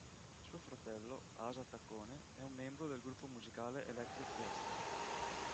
Suo fratello, Asa Taccone, è un membro del gruppo musicale Electric Guest.